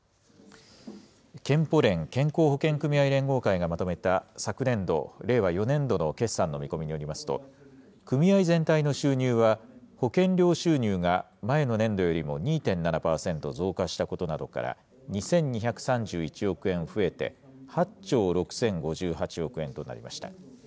健保連・健康保険組合連合会がまとめた昨年度・令和４年度の決算の見込みによりますと、組合全体の収入は、保険料収入が前の年度よりも２．７％増加したことなどから２２３１億円増えて、８兆６０５８億円となりました。